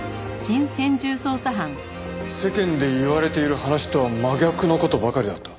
世間で言われている話とは真逆の事ばかりだった。